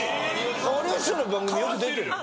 有吉の番組よく出てる。